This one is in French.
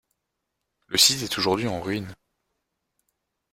Le site est aujourd'hui en ruines.